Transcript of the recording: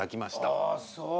ああそう。